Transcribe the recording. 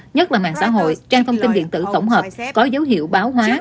nhất là mạng xã hội trang thông tin điện tử tổng hợp có dấu hiệu báo hóa